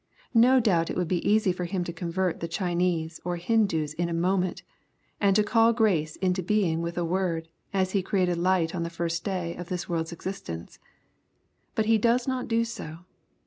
No ioubt it would be easy for Him to convert the Chinese or Hindoos in a moment, and to call grace into being with a word, as He created light on the first day of this world's exist ence. — But He does not do so.